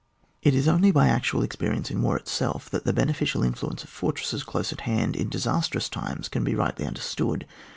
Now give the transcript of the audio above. It is only by actual experience in war itself that the beneficial influence of fortresses close at hand in disastrous times can be rightly understood.